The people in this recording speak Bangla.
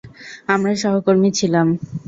আমরা সহকর্মী ছিলাম।